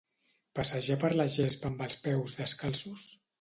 Passejar per la gespa amb els peus descalços?